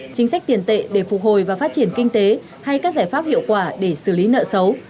chính sách tiền tệ để phục hồi và phát triển kinh tế hay các giải pháp hiệu quả để xử lý nợ xấu